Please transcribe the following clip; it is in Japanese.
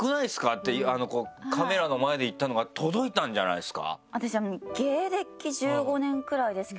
ってカメラの前で言ったのが届いたんじゃないですか？